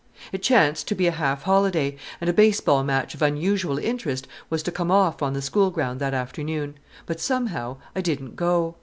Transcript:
It chanced to be a half holiday, and a baseball match of unusual interest was to come off on the school ground that afternoon; but, somehow, I didn't go.